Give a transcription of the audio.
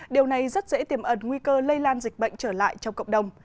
điều này rất dễ tiềm ẩn nguy cơ lây lan dịch bệnh trở lại trong cộng đồng